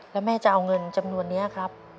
แล้วแม่จะเอาเงินจำนวนนี้ครับ